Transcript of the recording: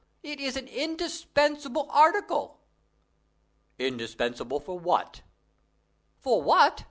It is an indispensable article." "Indispensable for what?" "For what?